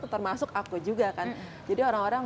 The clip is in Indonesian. termasuk aku juga kan jadi orang orang